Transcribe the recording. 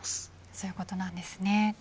そう言うことなんですね。